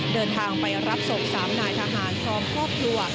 เดินทางไปรับศพ๓นายทหารพร้อมครอบครัว